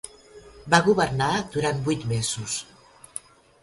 Va governar durant vuit mesos.